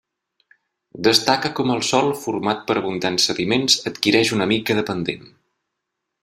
Destaca com el sòl format per abundants sediments adquireix una mica de pendent.